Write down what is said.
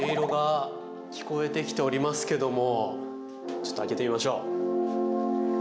・ちょっと開けてみましょう。